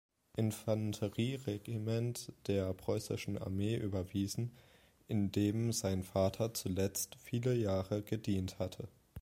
Infanterie-Regiment der Preußischen Armee überwiesen, in dem sein Vater zuletzt viele Jahre gedient hatte.